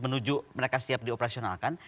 menuju mereka siap di operasionalkan